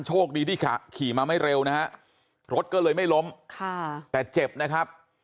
โชคดีที่ขี่มาไม่เร็วนะฮะรถก็เลยไม่ล้มค่ะแต่เจ็บนะครับ